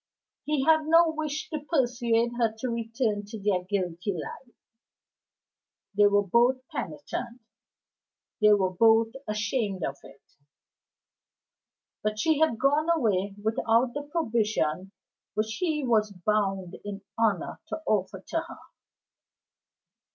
He had no wish to persuade her to return to their guilty life; they were both penitent, they were both ashamed of it. But she had gone away without the provision which he was bound in honor to offer to her.